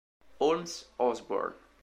Holmes Osborne